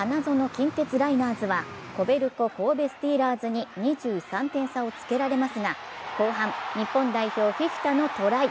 近鉄ライナーズはコベルコ神戸スティーラーズに２３点差をつけられますが後半、日本代表・フィフィタのトライ。